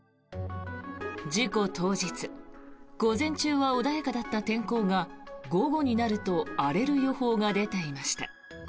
事故当日午前中は穏やかだった天候が午後になると荒れる予報が出ていました。